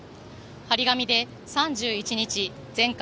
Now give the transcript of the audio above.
貼り紙で３１日全館